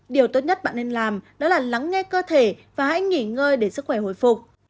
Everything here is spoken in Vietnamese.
điều tốt nhất bạn nên làm đó là lắng nghe cơ thể và hãy nghỉ ngơi để sức khỏe hồi phục